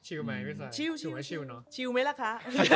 ชิวไหมพี่ใสชิวชิวไหมละคะ